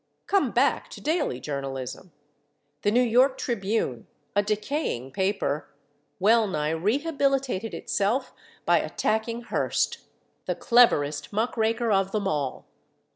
Come back to daily journalism. The New York Tribune, a decaying paper, well nigh rehabilitated itself by attacking Hearst, the cleverest muck raker of them all.